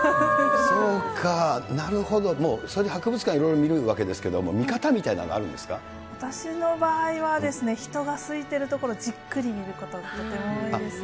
そうか、なるほど、もう、それで博物館いろいろ見るわけですけれども、見方みたいなのはあ私の場合はですね、人が空いてる所をじっくり見ることがとても多いですね。